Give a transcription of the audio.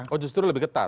oh justru lebih ketat